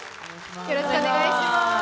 よろしくお願いします。